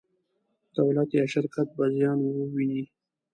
دولت یا شرکت به زیان وویني.